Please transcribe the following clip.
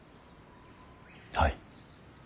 はい。